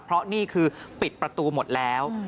เพราะนี่คือปิดประตูหมดแล้ว